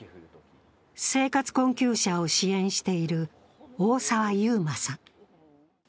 生活困窮者を支援している大澤優真さん。